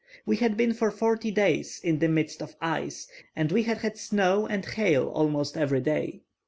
We had been for forty days in the midst of ice, and we had had snow and hail almost every day.